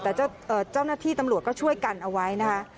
แต่เจ้าหน้าที่ตำรวจก็ช่วยกันเอาไว้นะคะ